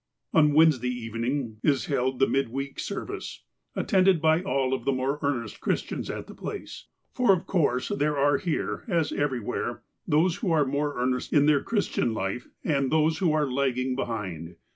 On Wednesday evening is held the mid week service, attended by all of the more earnest Christians at the place, for of course there are here, as everywhere, those who are more earnest in their Christian life, and those who are lag ging behind.